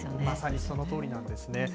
まさにそのとおりなんですね。